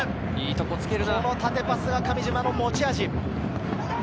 この縦パスが上島の持ち味。